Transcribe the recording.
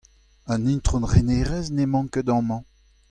An itron renerez n'emañ ket amañ.